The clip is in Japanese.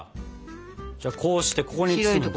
じゃあこうしてここに包むんだ。